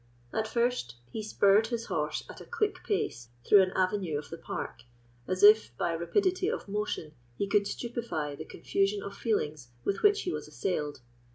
At first he spurred his horse at a quick pace through an avenue of the park, as if, by rapidity of motion, he could stupify the confusion of feelings with which he was assailed.